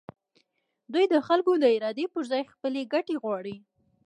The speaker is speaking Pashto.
دوی د خلکو د ارادې پر ځای خپلې ګټې غواړي.